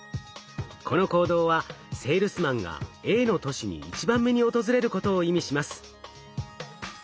この行動はセールスマンがＡの都市に１番目に訪れることを意味します。